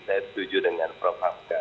saya setuju dengan prof hamka